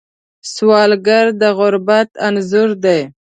سوالګر د غربت انځور دی